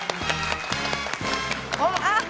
あっ。